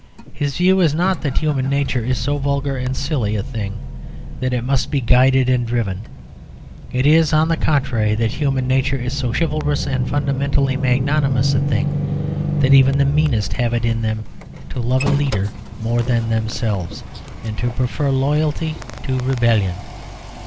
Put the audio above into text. His view is not that human nature is so vulgar and silly a thing that it must be guided and driven; it is, on the contrary, that human nature is so chivalrous and fundamentally magnanimous a thing that even the meanest have it in them to love a leader more than themselves, and to prefer loyalty to rebellion.